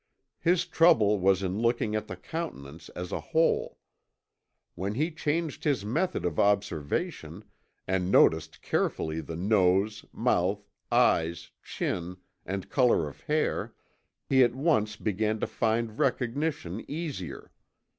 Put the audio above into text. His trouble was in looking at the countenance as a whole. When he changed his method of observation, and noticed carefully the nose, mouth, eyes, chin, and color of hair, he at once began to find recognition easier.